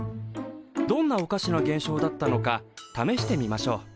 どんなおかしな現象だったのかためしてみましょう。